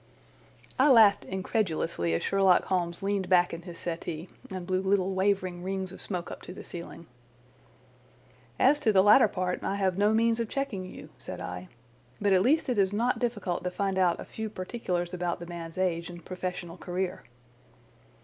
I laughed incredulously as Sherlock Holmes leaned back in his settee and blew little wavering rings of smoke up to the ceiling. "As to the latter part, I have no means of checking you," said I, "but at least it is not difficult to find out a few particulars about the man's age and professional career."